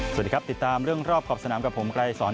สวัสดีครับติดตามเรื่องรอบขอบสนามกับผมไกลสอน